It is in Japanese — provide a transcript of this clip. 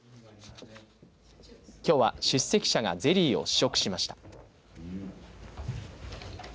きょうは出席者がゼリーを試食しました。